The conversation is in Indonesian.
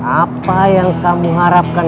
apa yang kamu harapkan